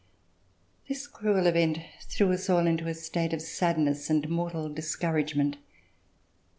This cruel event threw us all into a state of sadness and mortal discouragement.